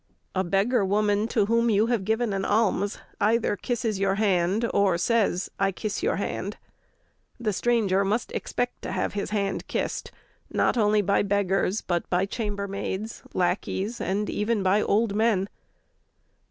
A beggar woman to whom you have given an alms, either kisses your hand or says: "I kiss your hand." The stranger must expect to have his hand kissed not only by beggars, but by chambermaids, lackeys, and even by old men.